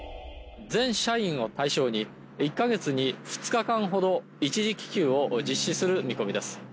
全社員を対象に１カ月に２日間ほど一時帰休を実施する見込みです